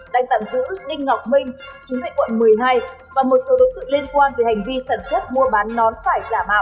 đang tạm giữ đinh ngọc minh chú tại quận một mươi hai và một số đối tượng liên quan về hành vi sản xuất mua bán nón phải giả mạo